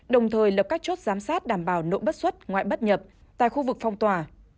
đồng thời lập các chốt giám sát đảm bảo nội bất xuất ngoại bất nhập tại khu vực phong tỏa